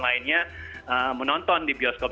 lainnya menonton di bioskop